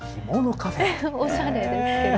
おしゃれですけど。